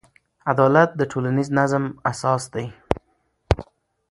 عدالت د ټولنیز نظم اساس دی.